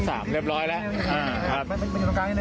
ใส่แมซอ่ะครับผม